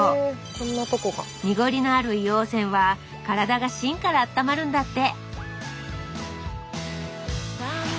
濁りのある硫黄泉は体が芯からあったまるんだって